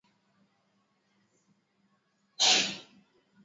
nyuzi nyuzi kwenye viazi hushusha thamani ya viazi